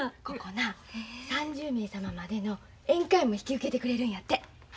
ここな３０名様までの宴会も引き受けてくれるんやて。